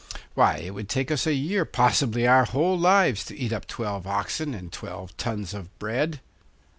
Why, it would take us a year, possibly our whole lives, to eat up twelve oxen and twelve tons of bread.